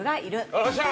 ◆よっしゃ！